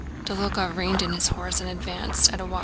Dólokhov reined in his horse and advanced at a walk.